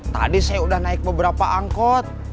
tadi saya udah naik beberapa angkot